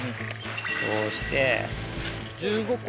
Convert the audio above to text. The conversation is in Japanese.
こうして。